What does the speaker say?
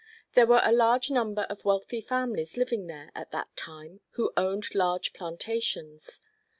There were a large number of wealthy families living there at that time who owned large plantations.